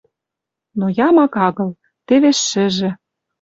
Но ямак агыл. Тевеш шӹжӹ.